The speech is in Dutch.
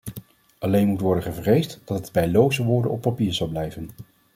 Alleen moet worden gevreesd dat het bij loze woorden op papier zal blijven.